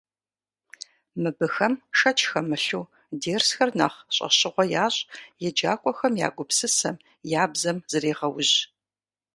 Мыбыхэм, шэч хэмылъу, дерсхэр нэхъ щӏэщыгъуэ ящӏ, еджакӏуэхэм я гупсысэм, я бзэм зрегъэужь.